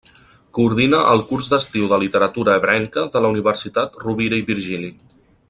Coordina el curs d'estiu de literatura ebrenca de la Universitat Rovira i Virgili.